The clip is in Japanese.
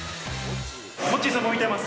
モッチーさんも見てます。